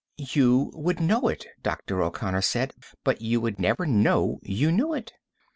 "You would know it," Dr. O'Connor said, "but you would never know you knew it.